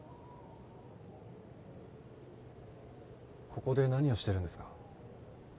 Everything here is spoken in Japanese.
・ここで何をしてるんですか？